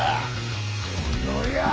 この野郎！